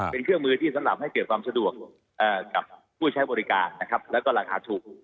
เป็นเครื่องมือที่สำหรับให้เกิดความสะดวกกับผู้ใช้บริการนะครับแล้วก็ราคาถูก